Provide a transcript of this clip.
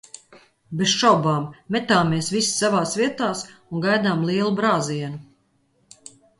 Bez šaubām, metāmies visi savās vietās un gaidām lielu brāzienu.